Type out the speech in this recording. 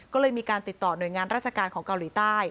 ก็เลยมีการติดต่อหน่วยงานราชการของเกาหลีใต้